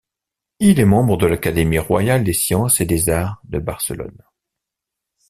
Il est membre de l'Académie royale des Sciences et des Arts de Barcelone.